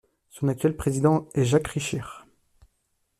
Son actuel président est Jacques Richir.